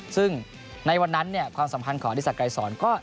ซึ่งในวันนั้นเนี่ยความสำคัญของอธิสักษ์ไกรสอนก็